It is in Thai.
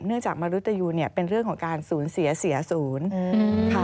เนื่องจากมริตยูเป็นเรื่องของการศูนย์เสียศูนย์